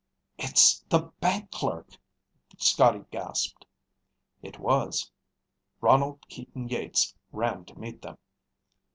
"It's the bank clerk!" Scotty gasped. It was. Ronald Keaton Yeats ran to meet them.